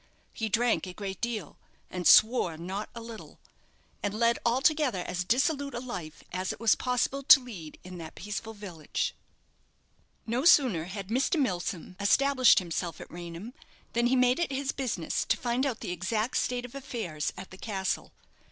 He drank a great deal, and swore not a little, and led altogether as dissolute a life as it was possible to lead in that peaceful village. No sooner had Mr. Milsom established himself at Raynham, than he made it his business to find out the exact state of affairs at the castle.